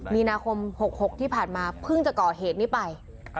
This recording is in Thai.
มีนาคม๖๖ที่ผ่านมาเพิ่งจะก่อเหตุนี้ไป